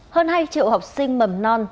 hơn hai triệu học sinh mầm non